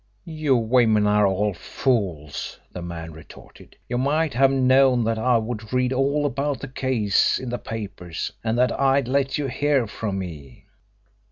"You women are all fools," the man retorted. "You might have known that I would read all about the case in the papers, and that I'd let you hear from me."